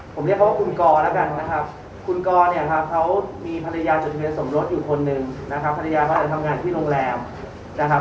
ผมเรียกเขาว่าคุณกรแล้วกันนะครับคุณกรเนี่ยครับเขามีภรรยาจดทะเบียนสมรสอยู่คนหนึ่งนะครับภรรยาเขาทำงานที่โรงแรมนะครับ